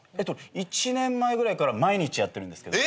１年前ぐらいから毎日やってるんですけど。